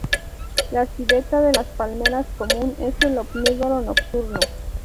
La civeta de las palmeras común es un omnívoro nocturno.